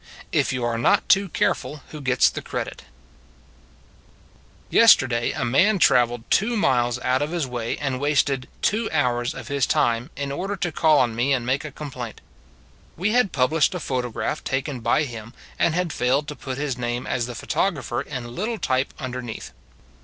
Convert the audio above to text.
IF YOU ARE NOT TOO CAREFUL WHO GETS THE CREDIT YESTERDAY a man travelled two miles out of his way, and wasted two hours of his time, in order to call on me and make a complaint. We had published a photograph taken by him, and had failed to put his name as the photographer in little type under neath.